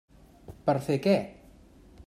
Per fer què?